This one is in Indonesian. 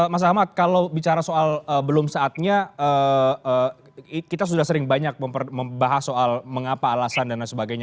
mas ahmad kalau bicara soal belum saatnya kita sudah sering banyak membahas soal mengapa alasan dan lain sebagainya